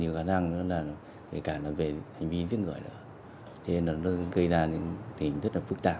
nhiều khả năng để cả về hành vi tiết ngợi gây ra những hình thức rất phức tạp